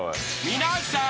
［皆さん。